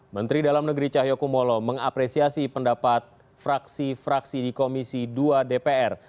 menteri dalam negeri cahyokumolo mengapresiasi pendapat fraksi fraksi di komisi dua dpr